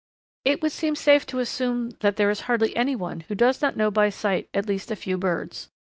It would seem safe to assume that there is hardly any one who does not know by sight at least a few birds.